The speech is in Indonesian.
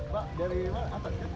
pak dari mana atas